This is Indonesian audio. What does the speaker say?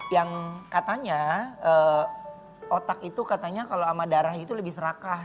yang katanya otak itu katanya kalau sama darah itu lebih serakah